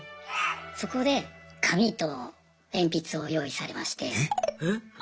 そこで紙と鉛筆を用意されまして。